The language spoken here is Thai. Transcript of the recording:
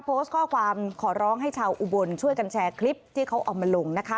โพสต์ข้อความขอร้องให้ชาวอุบลช่วยกันแชร์คลิปที่เขาเอามาลงนะคะ